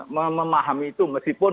memahami itu meskipun